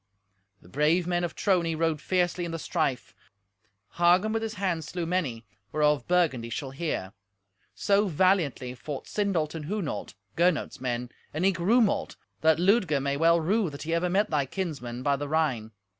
The brave men of Trony rode fiercely in the strife. Hagen with his hand slew many, whereof Burgundy shall hear. So valiantly fought Sindolt and Hunolt, Gernot's men, and eke Rumolt, that Ludger may well rue that he ever met thy kinsmen by the Rhine.